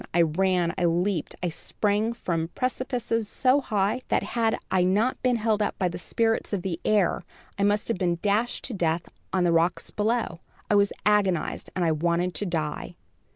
I ran, I leaped, I sprang from precipices so high, that, had I not been held up by the spirits of the air, I must have been dashed to death on the rocks below. I was agonized, and I wanted to die.